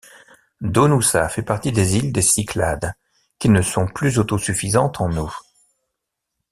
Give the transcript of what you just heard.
Donoussa fait partie des îles des |Cyclades qui ne sont plus autosuffisantes en eau.